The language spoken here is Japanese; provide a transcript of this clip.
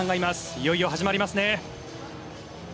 いよいよ始まりますね。